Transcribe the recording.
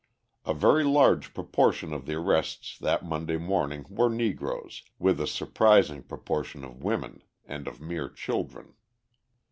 A very large proportion of the arrests that Monday morning were Negroes, with a surprising proportion of women and of mere children.